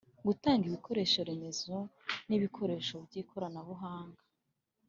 Gutanga ibikoresho remezo n ibikoresho by’ikoranabuhanga